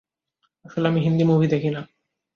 আসলে আমি হিন্দি মুভি দেখি না।